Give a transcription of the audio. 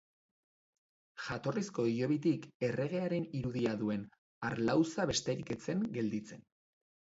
Jatorrizko hilobitik erregearen irudia duen harlauza besterik ez zen gelditzen.